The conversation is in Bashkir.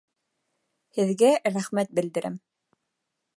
Һеҙгә рәхмәт белдерәм